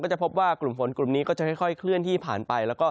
จะพบว่ากลุ่มฝนกลุ่มนี้ก็จะค่อยเคลื่อนที่ผ่านไป